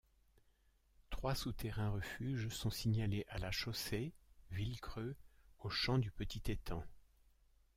Trois souterrains-refuges sont signalés à la Chaussée, Vilcreux, au Champ du Petit Étang.